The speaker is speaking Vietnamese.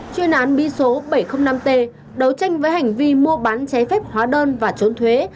chuyên án bí số bảy trăm linh năm t đấu tranh với hành vi mua bán trái phép hóa đơn và trốn thuế